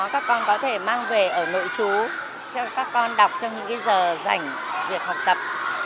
các con có thể mang về ở nội chú cho các con đọc trong những giờ dành việc học tập